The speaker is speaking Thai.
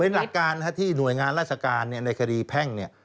เป็นหลักการที่หน่วยงานราชการในคดีแพ่ง